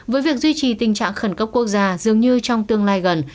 với việc duy trì tình trạng khẩn cấp quốc gia dường như trong tương lai gần